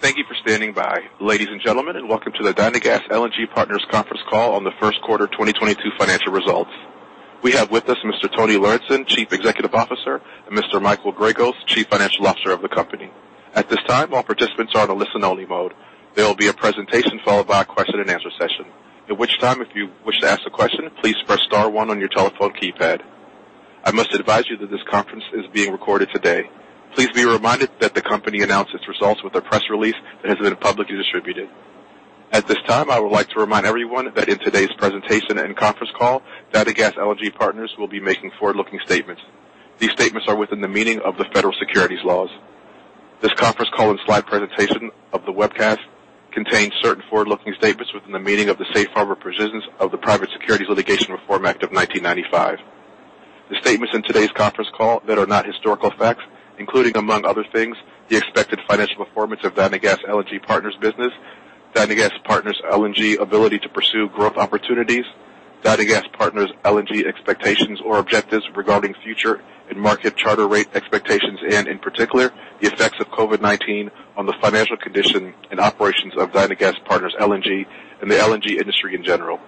Thank you for standing by. Ladies and gentlemen, welcome to the Dynagas LNG Partners conference call on the first quarter 2022 financial results. We have with us Mr. Tony Lauritzen, Chief Executive Officer, and Mr. Michael Gregos, Chief Financial Officer of the company. At this time, all participants are on a listen-only mode. There will be a presentation followed by a question and answer session. At which time, if you wish to ask a question, please press star one on your telephone keypad. I must advise you that this conference is being recorded today. Please be reminded that the company announced its results with a press release that has been publicly distributed. At this time, I would like to remind everyone that in today's presentation and conference call, Dynagas LNG Partners will be making forward-looking statements. These statements are within the meaning of the federal securities laws. This conference call and slide presentation of the webcast contains certain forward-looking statements within the meaning of the safe harbor provisions of the Private Securities Litigation Reform Act of 1995. The statements in today's conference call that are not historical facts, including among other things, the expected financial performance of Dynagas LNG Partners business, Dynagas LNG Partners ability to pursue growth opportunities, Dynagas LNG Partners expectations or objectives regarding future and market charter rate expectations, and in particular, the effects of COVID-19 on the financial condition and operations of Dynagas LNG Partners and the LNG industry in general,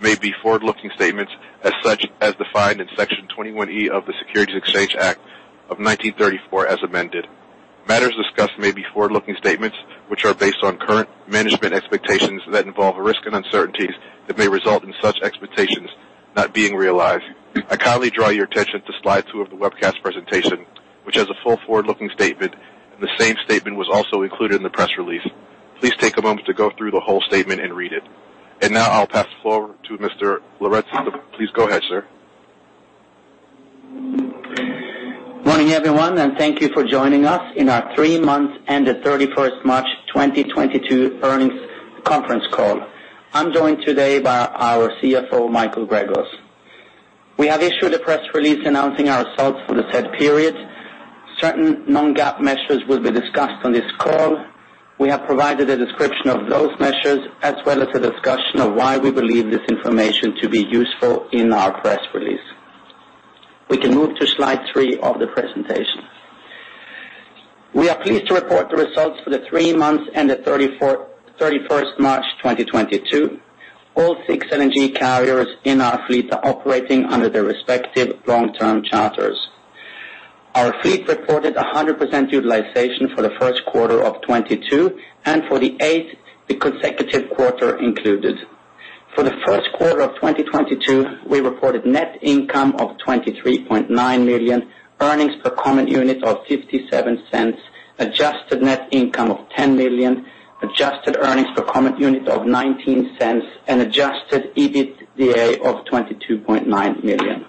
may be forward-looking statements as such as defined in Section 21E of the Securities Exchange Act of 1934 as amended. Matters discussed may be forward-looking statements which are based on current management expectations that involve risk and uncertainties that may result in such expectations not being realized. I kindly draw your attention to slide 2 of the webcast presentation, which has a full forward-looking statement, and the same statement was also included in the press release. Please take a moment to go through the whole statement and read it. Now I'll pass the floor to Mr. Lauritzen. Please go ahead, sir. Morning, everyone, and thank you for joining us in our three month and the 31st March 2022 earnings conference call. I'm joined today by our CFO, Michael Gregos. We have issued a press release announcing our results for the said period. Certain non-GAAP measures will be discussed on this call. We have provided a description of those measures, as well as a discussion of why we believe this information to be useful in our press release. We can move to slide three of the presentation. We are pleased to report the results for the three months and 31st March 2022. All six LNG carriers in our fleet are operating under their respective long-term charters. Our fleet reported 100% utilization for the first quarter of 2022, and for the 8th consecutive quarter included. For the first quarter of 2022, we reported net income of $23.9 million, earnings per common unit of $0.57, adjusted net income of $10 million, adjusted earnings per common unit of $0.19, and adjusted EBITDA of $22.9 million.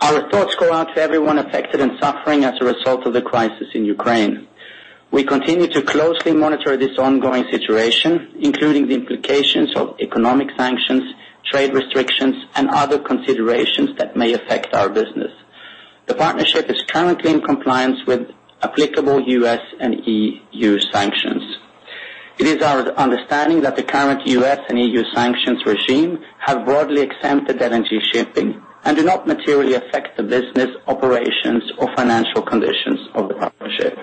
Our thoughts go out to everyone affected and suffering as a result of the crisis in Ukraine. We continue to closely monitor this ongoing situation, including the implications of economic sanctions, trade restrictions, and other considerations that may affect our business. The partnership is currently in compliance with applicable U.S. and E.U. sanctions. It is our understanding that the current U.S. and E.U. sanctions regime have broadly exempted LNG shipping and do not materially affect the business operations or financial conditions of the partnership.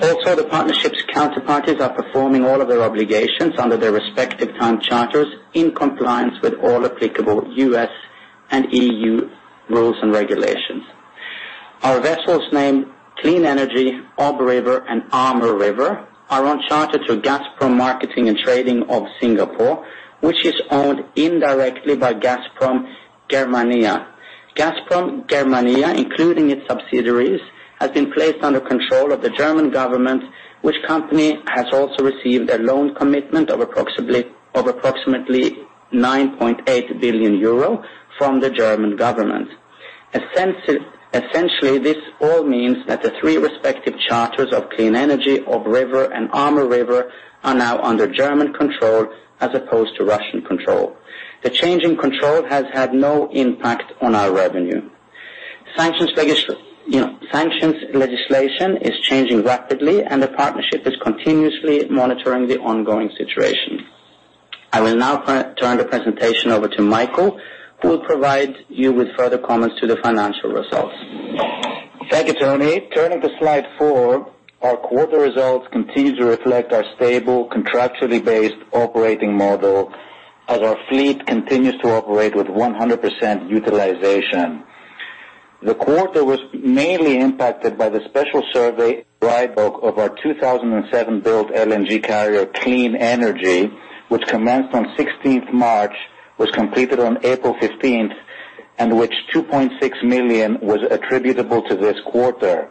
Also, the partnership's counterparties are performing all of their obligations under their respective time charters in compliance with all applicable U.S. and EU rules and regulations. Our vessels named Clean Energy, Ob River, and Amur River are on charter to Gazprom Marketing & Trading Singapore, which is owned indirectly by Gazprom Germania. Gazprom Germania, including its subsidiaries, has been placed under control of the German government, which company has also received a loan commitment of approximately 9.8 billion euro from the German government. Essentially, this all means that the three respective charters of Clean Energy, Ob River, and Amur River are now under German control as opposed to Russian control. The change in control has had no impact on our revenue. Sanctions legislation is changing rapidly, and the partnership is continuously monitoring the ongoing situation. I will now turn the presentation over to Michael, who will provide you with further comments to the financial results. Thank you, Tony. Turning to slide four, our quarter results continue to reflect our stable, contractually based operating model as our fleet continues to operate with 100% utilization. The quarter was mainly impacted by the special survey drydock of our 2007-built LNG carrier, Clean Energy, which commenced on March 16, was completed on April 15, and which $2.6 million was attributable to this quarter.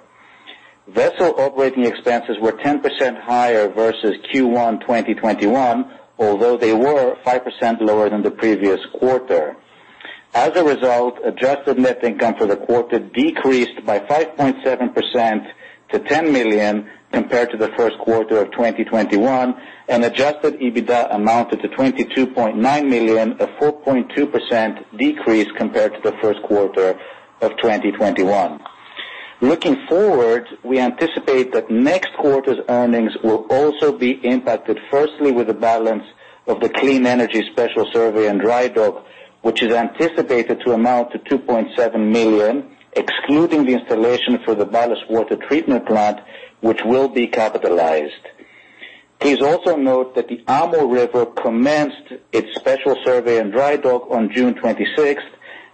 Vessel operating expenses were 10% higher versus Q1 2021, although they were 5% lower than the previous quarter. As a result, adjusted net income for the quarter decreased by 5.7% to $10 million compared to the first quarter of 2021, and adjusted EBITDA amounted to $22.9 million, a 4.2% decrease compared to the first quarter of 2021. Looking forward, we anticipate that next quarter's earnings will also be impacted, firstly, with the balance of the Clean Energy special survey and drydock, which is anticipated to amount to $2.7 million, excluding the installation for the ballast water treatment plant, which will be capitalized. Please also note that the Amur River commenced its special survey and dry dock on June twenty-sixth,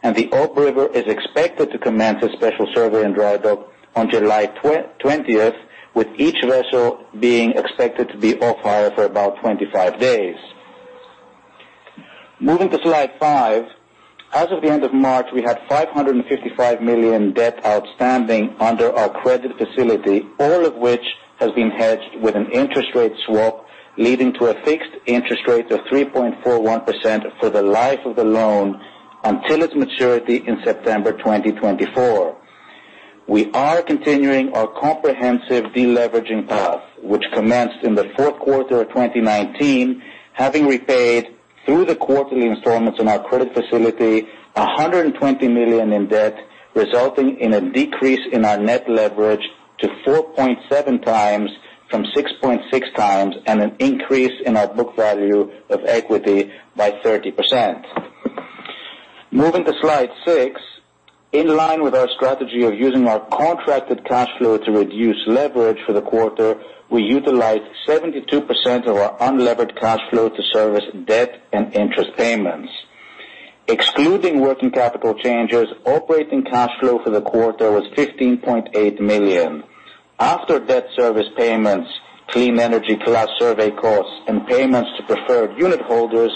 and the Ob River is expected to commence its special survey and dry dock on July twentieth, with each vessel being expected to be off-hire for about 25 days. Moving to slide five. As of the end of March, we had $555 million debt outstanding under our credit facility, all of which has been hedged with an interest rate swap, leading to a fixed interest rate of 3.41% for the life of the loan until its maturity in September 2024. We are continuing our comprehensive deleveraging path, which commenced in the fourth quarter of 2019, having repaid through the quarterly installments on our credit facility, $120 million in debt, resulting in a decrease in our net leverage to 4.7x from 6.6x, and an increase in our book value of equity by 30%. Moving to slide six. In line with our strategy of using our contracted cash flow to reduce leverage for the quarter, we utilized 72% of our unlevered cash flow to service debt and interest payments. Excluding working capital changes, operating cash flow for the quarter was $15.8 million. After debt service payments, Clean Energy plus survey costs and payments to preferred unit holders,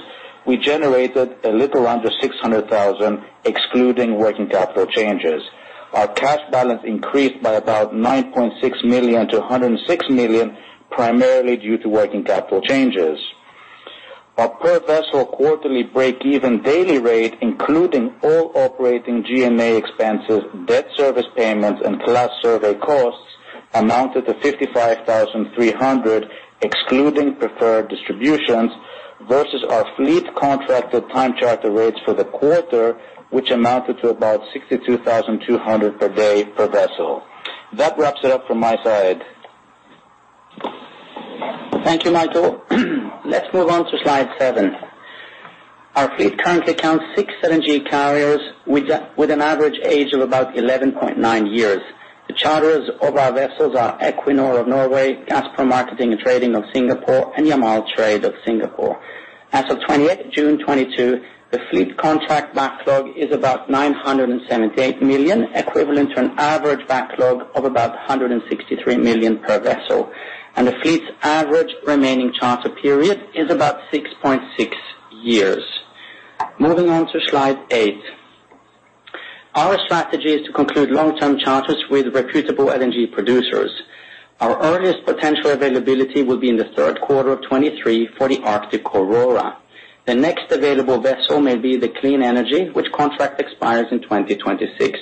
we generated a little under $600,000, excluding working capital changes. Our cash balance increased by about $9.6 million-$106 million, primarily due to working capital changes. Our per vessel quarterly break-even daily rate, including all operating G&A expenses, debt service payments, and class survey costs amounted to $55,300, excluding preferred distributions, versus our fleet contracted time charter rates for the quarter, which amounted to about $62,200 per day per vessel. That wraps it up from my side. Thank you, Michael. Let's move on to slide seven. Our fleet currently counts 6 LNG carriers with an average age of about 11.9 years. The charters of our vessels are Equinor of Norway, Gazprom Marketing & Trading Singapore, and Yamal Trade of Singapore. As of 28th June 2022, the fleet contract backlog is about $978 million, equivalent to an average backlog of about $163 million per vessel. The fleet's average remaining charter period is about 6.6 years. Moving on to slide eight. Our strategy is to conclude long-term charters with reputable LNG producers. Our earliest potential availability will be in the third quarter of 2023 for the Arctic Aurora. The next available vessel may be the Clean Energy, which contract expires in 2026.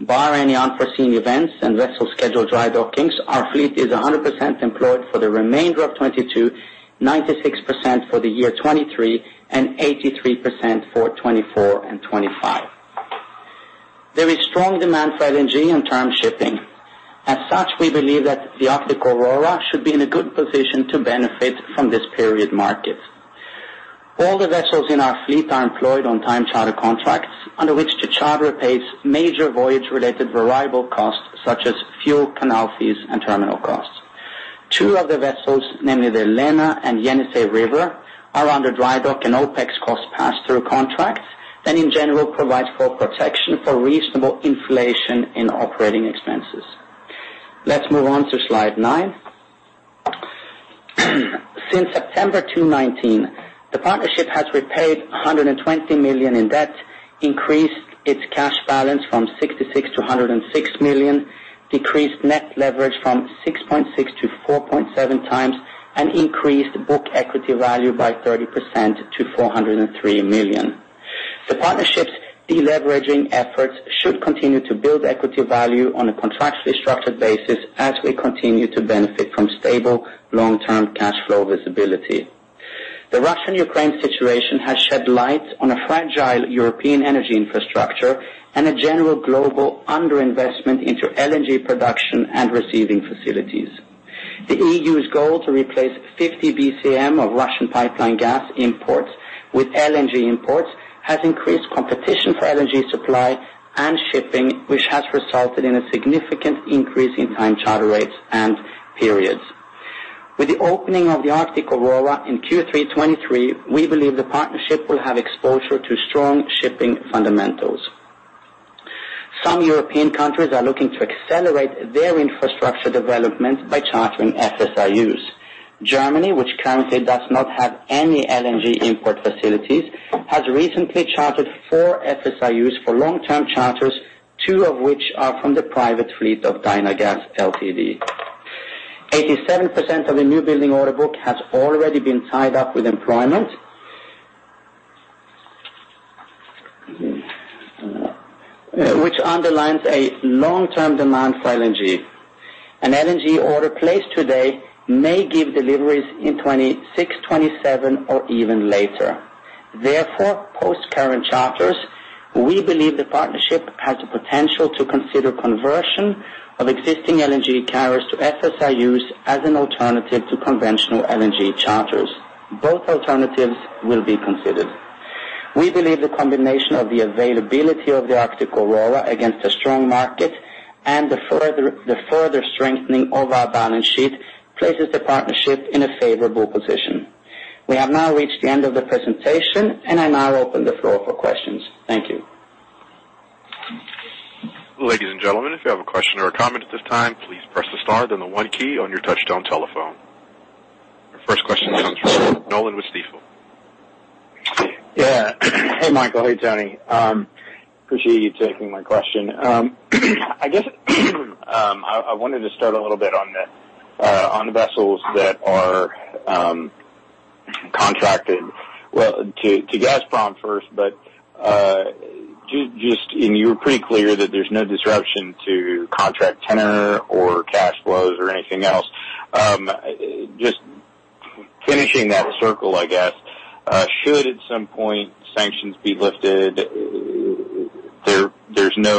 Barring any unforeseen events and vessel scheduled drydockings, our fleet is 100% employed for the remainder of 2022, 96% for the year 2023, and 83% for 2024 and 2025. There is strong demand for LNG in term shipping. As such, we believe that the Arctic Aurora should be in a good position to benefit from this spot market. All the vessels in our fleet are employed on time charter contracts, under which the charterer pays major voyage-related variable costs such as fuel, canal fees, and terminal costs. Two of the vessels, namely the Lena River and Yenisei River, are under drydock and OpEx cost pass-through contracts, and in general provide full protection for reasonable inflation in operating expenses. Let's move on to slide nine. Since September 2019, the partnership has repaid $120 million in debt, increased its cash balance from $66 million-$106 million, decreased net leverage from 6.6 to 4.7 times, and increased book equity value by 30% to $403 million. The partnership's deleveraging efforts should continue to build equity value on a contractually structured basis as we continue to benefit from stable long-term cash flow visibility. The Russia-Ukraine situation has shed light on a fragile European energy infrastructure and a general global underinvestment into LNG production and receiving facilities. The EU's goal to replace 50 BCM of Russian pipeline gas imports with LNG imports has increased competition for LNG supply and shipping, which has resulted in a significant increase in time charter rates and periods. With the opening of the Arctic Aurora in Q3 2023, we believe the partnership will have exposure to strong shipping fundamentals. Some European countries are looking to accelerate their infrastructure development by chartering FSRUs. Germany, which currently does not have any LNG import facilities, has recently chartered 4 FSRUs for long-term charters, 2 of which are from the private fleet of Dynagas Ltd. 87% of the newbuilding order book has already been tied up with employment, which underlines a long-term demand for LNG. An LNG order placed today may give deliveries in 2026, 2027 or even later. Therefore, post current charters, we believe the partnership has the potential to consider conversion of existing LNG carriers to FSRUs as an alternative to conventional LNG charters. Both alternatives will be considered. We believe the combination of the availability of the Arctic Aurora against a strong market and the further strengthening of our balance sheet places the partnership in a favorable position. We have now reached the end of the presentation, and I now open the floor for questions. Thank you. Ladies and gentlemen, if you have a question or a comment at this time, please press the star then the one key on your touchtone telephone. First question comes from Nolan with Stifel. Yeah. Hey, Michael. Hey, Tony. Appreciate you taking my question. I guess I wanted to start a little bit on the vessels that are contracted with Gazprom first. You were pretty clear that there's no disruption to contract tenor or cash flows or anything else. Just finishing that circle, I guess. Should at some point sanctions be lifted, the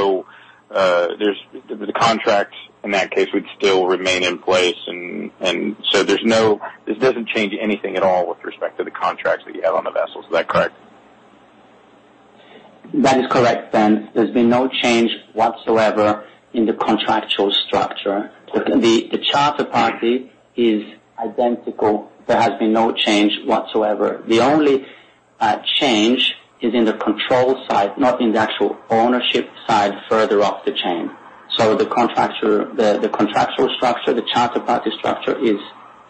contracts in that case would still remain in place, and so this doesn't change anything at all with respect to the contracts that you have on the vessels. Is that correct? That is correct, Ben. There's been no change whatsoever in the contractual structure. The charter party is identical. There has been no change whatsoever. The only change is in the control side, not in the actual ownership side further up the chain. The contractor, the contractual structure, the charter party structure is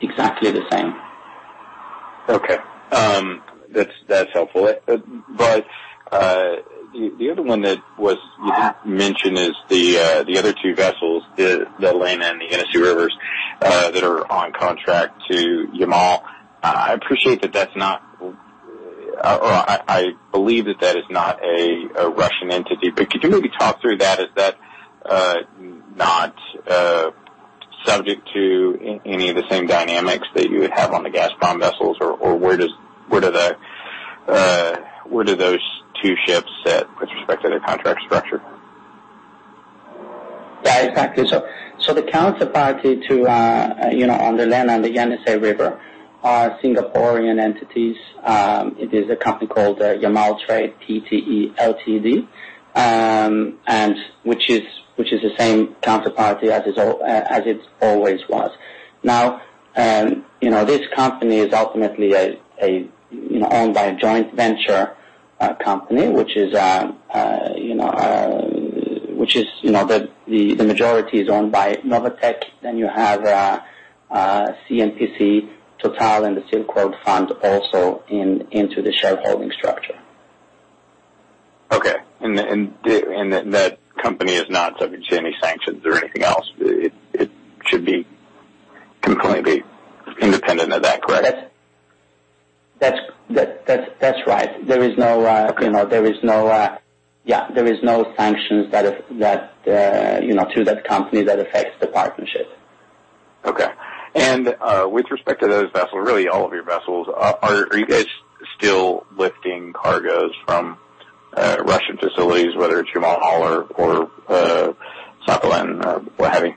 exactly the same. Okay. That's helpful. The other one that was mentioned is the other two vessels, the Lena River and the Yenisei River that are on contract to Yamal. I appreciate that that's not, or I believe that that is not a Russian entity, but could you maybe talk through that? Is that not subject to any of the same dynamics that you would have on the Gazprom vessels or where do those two ships sit with respect to their contract structure? Yeah, exactly. The counterparty to on the Lena River and the Yenisei River are Singaporean entities. It is a company called Yamal Trade Pte. Ltd., and which is the same counterparty as it always was. Now, this company is ultimately owned by a joint venture company, which is the majority is owned by Novatek, then you have CNPC, Total and the Silk Road Fund also into the shareholding structure. Okay. That company is not subject to any sanctions or anything else. It should be completely independent of that, correct? That's right. There is no. Okay. You know, there is no sanctions that is to that company that affects the partnership. Okay. With respect to those vessels, really all of your vessels, are you guys still lifting cargoes from Russian facilities, whether it's Yamal or Sakhalin or Vysotsk?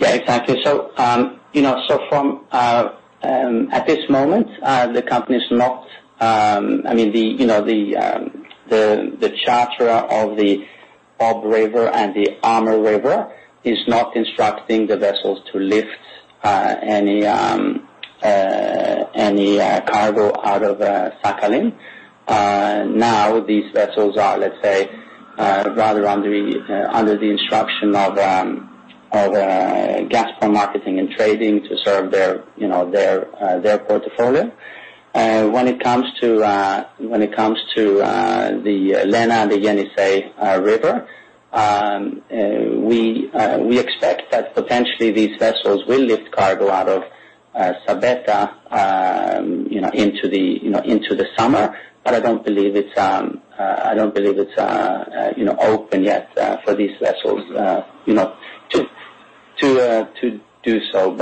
Yeah, exactly. You know, so from at this moment, the company's not. I mean, you know, the charter of the Ob River and the Amur River is not instructing the vessels to lift any cargo out of Sakhalin. Now these vessels are, let's say, rather under the instruction of Gazprom Marketing & Trading to serve their, you know, their portfolio. When it comes to the Lena River and the Yenisei River, we expect that potentially these vessels will lift cargo out of Sabetta, you know, into the summer, but I don't believe it's you know, open yet for these vessels, you know, to do so.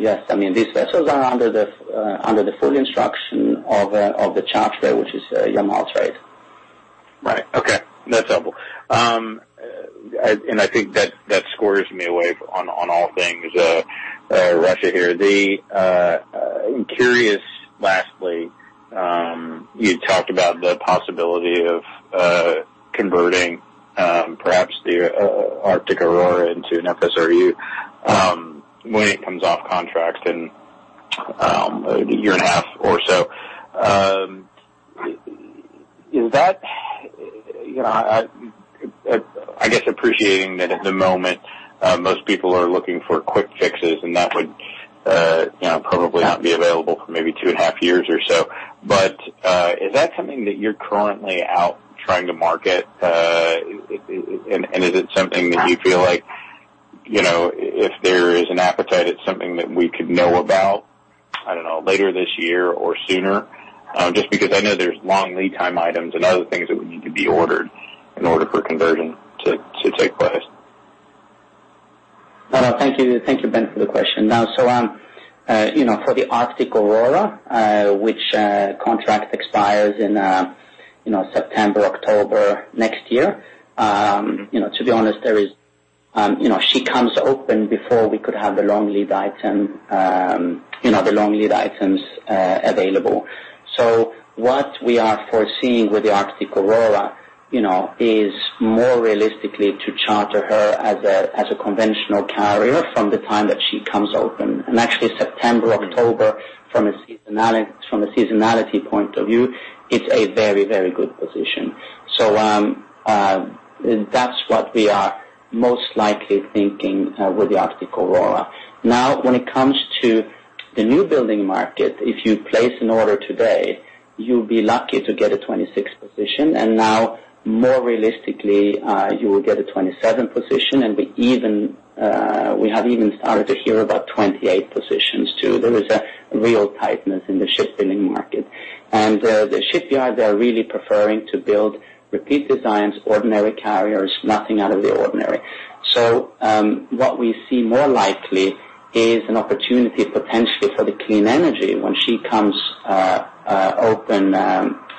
Yes. I mean, these vessels are under the full instruction of the charter, which is Yamal Trade. Right. Okay. That's helpful. I think that squares me away on all things Russia here. I'm curious, lastly, you talked about the possibility of converting perhaps the Arctic Aurora into an FSRU when it comes off contract in a year and a half or so. Is that, you know, I guess appreciating that at the moment most people are looking for quick fixes, and that would, you know, probably not be available for maybe two and a half years or so. Is that something that you're currently out trying to market? And is it something that you feel like, you know, if there is an appetite, it's something that we could know about, I don't know, later this year or sooner? Just because I know there's long lead time items and other things that would need to be ordered in order for conversion to take place. Well, thank you. Thank you, Ben, for the question. Now, you know, for the Arctic Aurora, which contract expires in, you know, September, October next year, you know, to be honest, there is. You know, she comes open before we could have the long lead items available. What we are foreseeing with the Arctic Aurora, you know, is more realistically to charter her as a conventional carrier from the time that she comes open. Actually September, October from a seasonality point of view, it's a very, very good position. That's what we are most likely thinking with the Arctic Aurora. Now, when it comes to the newbuilding market, if you place an order today, you'll be lucky to get a 26th position and now more realistically, you will get a 27th position and we have even started to hear about 28 positions too. There is a real tightness in the shipbuilding market. The shipyards are really preferring to build repeat designs, ordinary carriers, nothing out of the ordinary. What we see more likely is an opportunity potentially for the Clean Energy when she comes open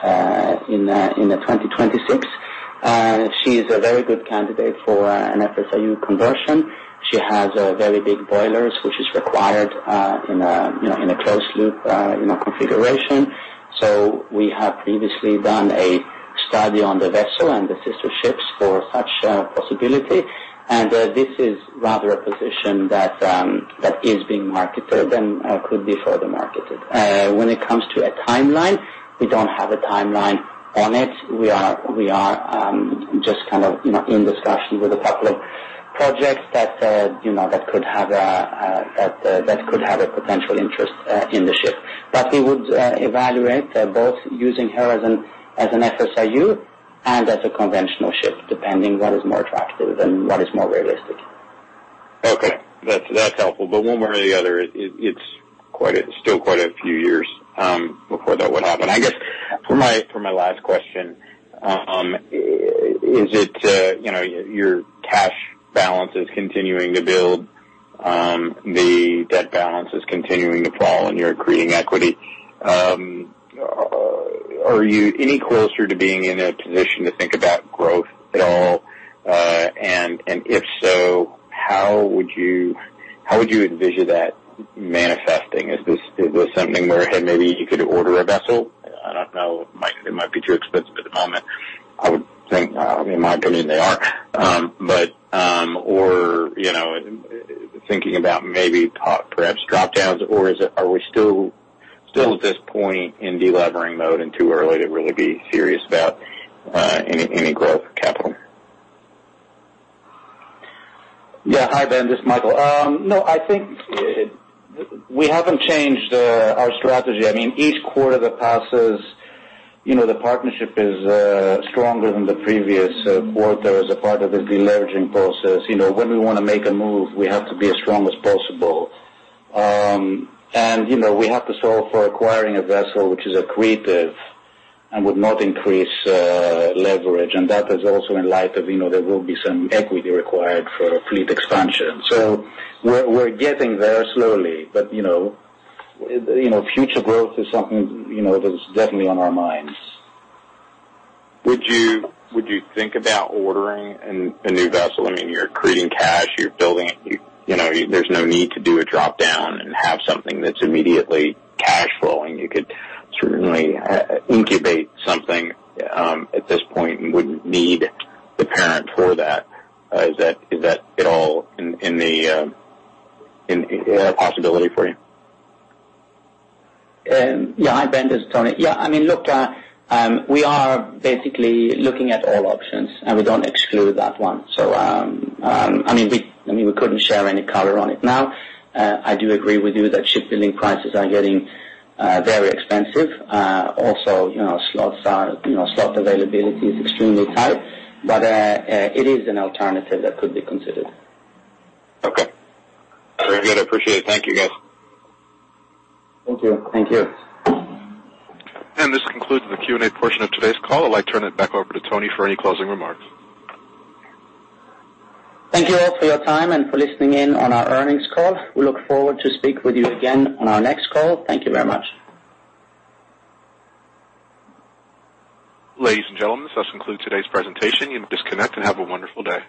in 2026. She is a very good candidate for an FSRU conversion. She has very big boilers which is required in a, you know, in a closed-loop, you know, configuration. We have previously done a study on the vessel and the sister ships for such a possibility. This is rather a position that is being marketed and could be further marketed. When it comes to a timeline, we don't have a timeline on it. We are just kind of you know in discussion with a couple of projects that could have a potential interest in the ship. We would evaluate both using her as an FSRU and as a conventional ship, depending what is more attractive and what is more realistic. Okay. That's helpful. One way or the other, it's still quite a few years before that would happen. I guess for my last question, is it, you know, your cash balance is continuing to build, the debt balance is continuing to fall and you're creating equity. Are you any closer to being in a position to think about growth at all? If so, how would you envision that manifesting? Is this something where maybe you could order a vessel? I don't know. It might be too expensive at the moment. I would think, in my opinion, they are. You know, thinking about maybe talk perhaps drop-downs or is it, are we still at this point in delevering mode and too early to really be serious about any growth capital? Yeah. Hi, Ben. This is Michael. No, I think we haven't changed our strategy. I mean, each quarter that passes, you know, the partnership is stronger than the previous quarter as a part of the deleveraging process. You know, when we wanna make a move, we have to be as strong as possible. You know, we have to solve for acquiring a vessel which is accretive and would not increase leverage. That is also in light of, you know, there will be some equity required for fleet expansion. We're getting there slowly. You know, future growth is something, you know, that's definitely on our minds. Would you think about ordering a new vessel? I mean, you're creating cash, you're building, you know, there's no need to do a drop-down and have something that's immediately cash flowing. You could certainly incubate something at this point and wouldn't need the parent for that. Is that at all a possibility for you? Yeah. Hi, Ben. This is Tony. Yeah, I mean, look, we are basically looking at all options, and we don't exclude that one. I mean, we couldn't share any color on it now. I do agree with you that shipbuilding prices are getting very expensive. Also, you know, slots are, you know, slot availability is extremely tight, but it is an alternative that could be considered. Okay. Very good. I appreciate it. Thank you, guys. Thank you. Thank you. This concludes the Q&A portion of today's call. I'd like to turn it back over to Tony for any closing remarks. Thank you all for your time and for listening in on our earnings call. We look forward to speak with you again on our next call. Thank you very much. Ladies and gentlemen, this does conclude today's presentation. You may disconnect and have a wonderful day.